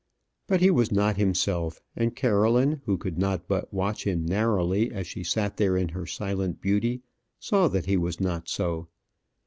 But he was not himself; and Caroline, who could not but watch him narrowly as she sat there in her silent beauty, saw that he was not so.